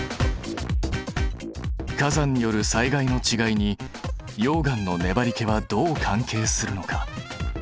火山による災害のちがいに溶岩のねばりけはどう関係するのか？